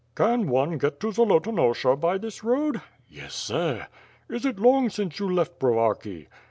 ...'* "Can one get to Zolotonosha by this road?'' "Yes, sir/' "Is it long since you left Brovarki?"